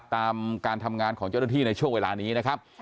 ตามการทำงานของเจ้าหน้าที่ในช่วงเวลานี้นะครับ